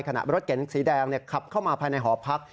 รถเก๋งสีแดงขับเข้ามาภายในหอพัก